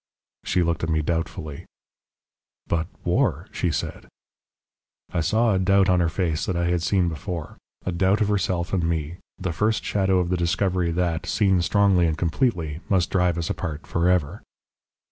"She looked at me doubtfully. "'But war ' she said. "I saw a doubt on her face that I had seen before, a doubt of herself and me, the first shadow of the discovery that, seen strongly and completely, must drive us apart for ever.